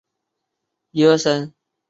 该机场曾经用作英国皇家空军的。